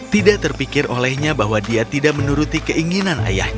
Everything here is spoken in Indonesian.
tidak terpikir olehnya bahwa dia tidak menuruti keinginan ayahnya